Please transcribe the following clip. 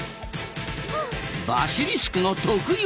バシリスクの得意技！